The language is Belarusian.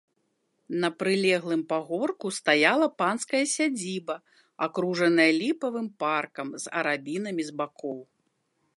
На прылеглым пагорку стаяла панская сядзіба, акружаная ліпавым паркам з арабінамі з бакоў.